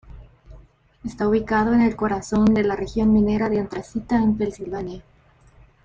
Está ubicado en el corazón de la región minera de antracita en Pensilvania.